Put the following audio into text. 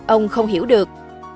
ông không hiểu được